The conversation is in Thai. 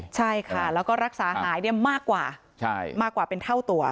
ใช่ค่ะแล้วก็รักษาหายมากกว่าเป็นเท่าตัว